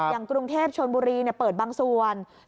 ครับคุณนะกรุงเทพฯชนบุรีเนี่ยเปิดบางส่วนปุ๋น